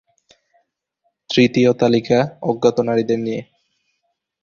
তৃতীয় তালিকা অজ্ঞাত নবীদের নিয়ে।